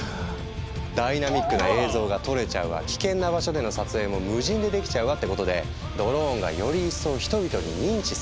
ダイナミックな映像が撮れちゃうわ危険な場所での撮影も無人でできちゃうわってことでドローンがより一層人々に認知されていったの。